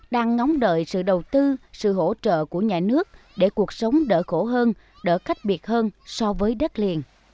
đang ngóng đợi sự đầu tư sự hỗ trợ của nhà nước để cuộc sống đỡ khổ hơn đỡ cách biệt hơn so với đất liền